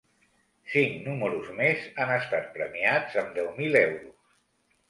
Cinc números més han estat premiats amb deu mil euros.